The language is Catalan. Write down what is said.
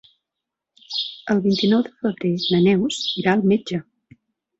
El vint-i-nou de febrer na Neus irà al metge.